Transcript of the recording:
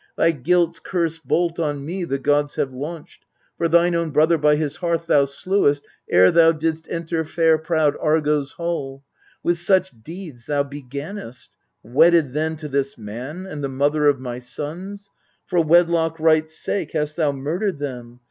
Thy guilt's curse bolt on me the gods have launched ; For thine own brother by his hearth thou slewest Ere thou didst enter fair prowed Argo's hull. With such deeds thou begannest. Wedded then To this man, and the mother of my sons, For wedlock right's sake hast thou murdered them.